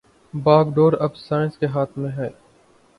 باگ ڈور اب سائنس کے ہاتھ میں ھے